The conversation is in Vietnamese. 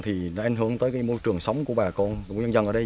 thì nó ảnh hưởng tới môi trường sống của bà con của dân dân ở đây